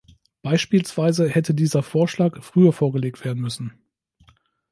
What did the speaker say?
Beispielsweise hätte dieser Vorschlag früher vorgelegt werden müssen.